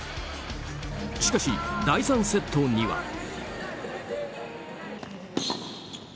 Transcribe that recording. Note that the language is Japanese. しかし、第３セットには。